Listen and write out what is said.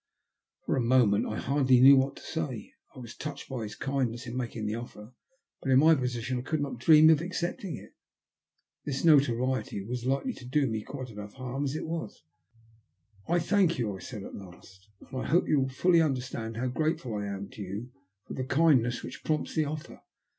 For a moment I hardly knew what to say. I was touched by his kindness in making the offer, but' in my position I could not dream of accepting it.^ This notoriety was likely to do me quite enough harm as it was. " I thank you," I said at last, " and I hope you will fully understand how grateful I am to you for the kindness which prompts \he offer.